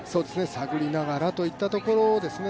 探りながらといったところですね。